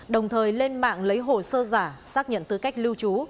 đồng thời lên mạng lấy hồ sơ giả xác nhận tư cách lưu trú